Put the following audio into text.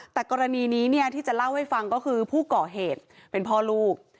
แต่กรณีนี้เนี่ยที่จะเล่าให้ฟังก็คือผู้ก่อเหตุเป็นพ่อลูก